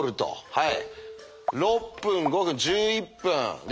はい。